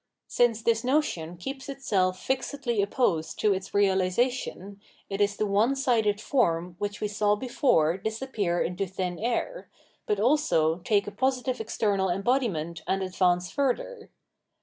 Since this notion keeps itself fixedly opposed to its reahsation, it is the one sided form which we saw before disappear into thin air, but also take a positive ex ternal embodiment and advance further.